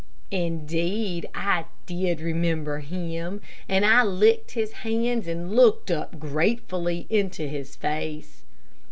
Indeed I did remember him, and I licked his hands and looked up gratefully into his face.